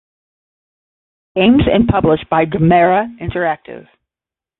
Games and published by Gamera Interactive.